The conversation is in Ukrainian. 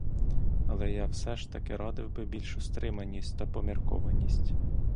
Але я все ж таки радив би більшу стриманість та поміркованість.